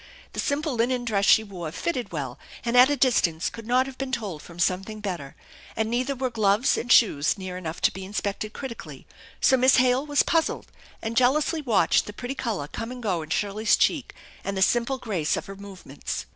The simple linen dress she wore fitted well and at a distance could not have been told from something better, and neither were gloves and shoes near enough to be inspected critically, so Miss Hale was puzzled, and jealously watched the pretty color come and go in Shirley's cheek, and the simple grace of her movements.